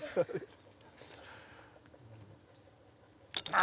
あ。